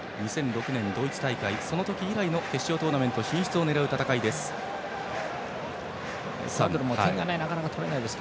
２００６年、ドイツ大会その時以来の決勝トーナメント進出を狙う戦いです。